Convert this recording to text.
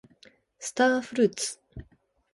スターフルーツ